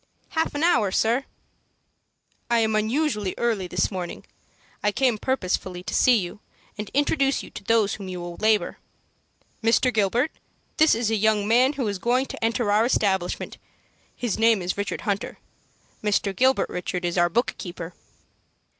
"Half an hour, sir." "I am here unusually early this morning. I came purposely to see you, and introduce you to those with whom you will labor. Mr. Gilbert, this is a young man who is going to enter our establishment. His name is Richard Hunter. Mr. Gilbert, Richard, is our book keeper."